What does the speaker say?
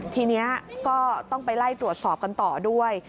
ทีนี้ก็ต้องไปไล่ตรวจสอบกันต่อด้วย